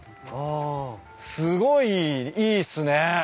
すごいいいっすね。